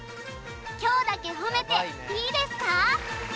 今日だけ褒めていいですか？